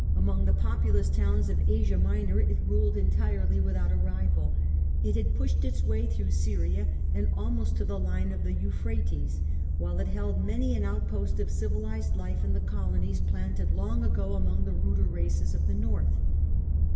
Among the populous towns of Asia of the ugG Minor it ruled entirely without a rival : it had Greek, pushed its way through Syria, and almost to the iine of the Euphrates ; while it held many an out post of civilised life in the colonies planted long ago among the ruder races of the North.